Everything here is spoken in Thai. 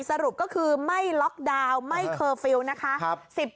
สรุปก็คือไม่ล็อกดาวน์ไม่เคอร์ฟิลล์นะคะ